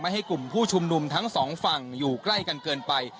ให้กลุ่มผู้ชุมนุมทั้งสองฝั่งอยู่ใกล้กันเกินไป